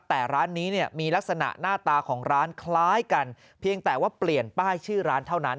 แต่ร้านนี้เนี่ยมีลักษณะหน้าตาของร้านคล้ายกันเพียงแต่ว่าเปลี่ยนป้ายชื่อร้านเท่านั้น